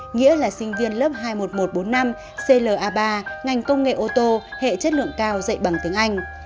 nghĩa là sinh viên lớp hai mươi một nghìn một trăm bốn mươi năm cla ba ngành công nghệ ô tô hệ chất lượng cao dạy bằng tiếng anh